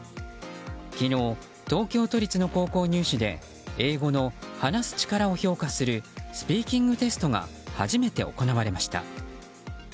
昨日、東京都立の高校入試で英語の話す力を評価するスピーキングテストが初めて行われました。